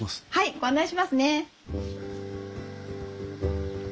ご案内しますね。